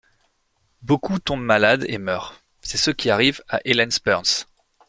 Beaucoup tombent malades et meurent, c'est ce qui arrive à Helen Burns.